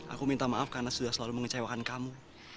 aku minta maaf karena sudah selalu mengecewakan kamu